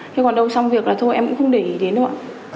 thế còn đâu xong việc là thôi em cũng không để ý đến nữa